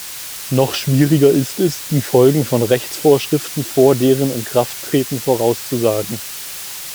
Noch schwieriger ist es, die Folgen von Rechtsvorschriften vor deren Inkrafttreten vorauszusagen.